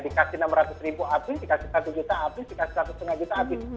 seperti bantuan tunai dikasih enam ratus ribu habis dikasih satu juta habis dikasih satu lima juta habis